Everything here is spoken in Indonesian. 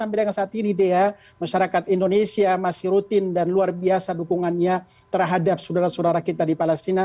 sampai dengan saat ini dea masyarakat indonesia masih rutin dan luar biasa dukungannya terhadap saudara saudara kita di palestina